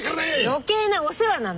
余計なお世話なのよ。